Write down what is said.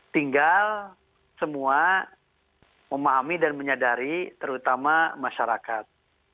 tinggal semua memahami dan menyadari terutama masyarakat